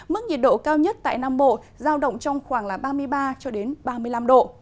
mức nhiệt độ cao nhất tại nam bộ giao động trong khoảng ba mươi ba ba mươi năm độ